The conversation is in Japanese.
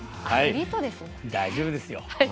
大丈夫ですよ。